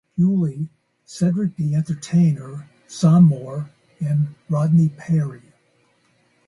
Hughley, Cedric the Entertainer, Sommore, and Rodney Perry.